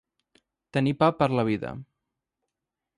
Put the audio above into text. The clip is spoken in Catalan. Tenir pa per la vida.